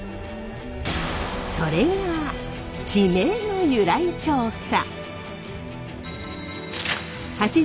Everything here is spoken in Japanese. それが地名の由来調査！